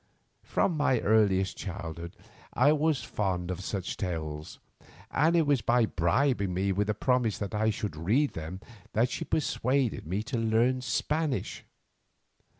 From my earliest childhood I was fond of such tales, and it was by bribing me with the promise that I should read them that she persuaded me to learn Spanish.